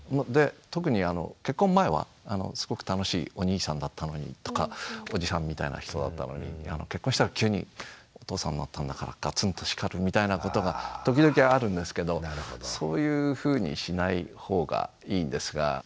で特に結婚前はすごく楽しいお兄さんだったのにとかおじさんみたいな人だったのに結婚したら急にお父さんになったんだからガツンと叱るみたいなことが時々あるんですけどそういうふうにしない方がいいんですが。